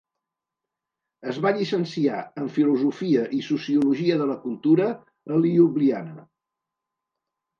Es va llicenciar en filosofia i sociologia de la cultura a Ljubljana.